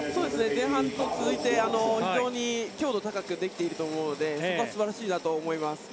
前半と続いて非常に強度高くできていると思うのでそこは素晴らしいと思います。